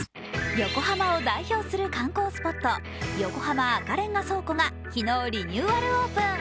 横浜を代表する観光スポット横浜赤レンガ倉庫が昨日リニューアルオープン。